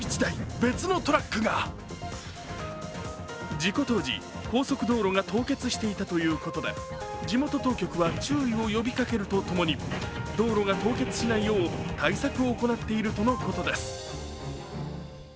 事故当時、高速道路が凍結していたということで、地元当局は注意を呼びかけるとともに、道路が凍結しないよう対策を行っているとのことです。